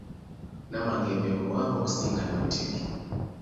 Namagembe muwanvu okusinga Namutebi.